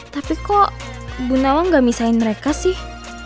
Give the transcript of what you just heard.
tapi kok bu nawa gak misahin mereka sih